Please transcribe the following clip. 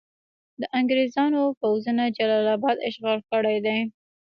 د انګریزانو پوځونو جلال اباد اشغال کړی دی.